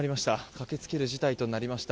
駆けつける事態となりました。